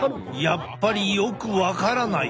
やっぱりよく分からない。